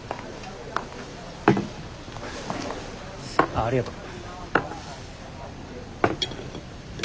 あありがとう。